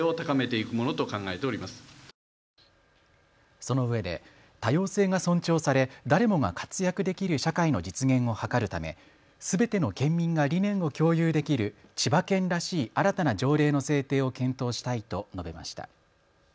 そのうえで多様性が尊重され誰もが活躍できる社会の実現を図るためすべての県民が理念を共有できる千葉県らしい新たな条例の制定を検討したいと述べました。